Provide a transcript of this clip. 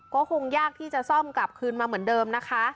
ก็คงยากที่จะซ่อมกลับคืนมาเหมือนเดิมนะคะ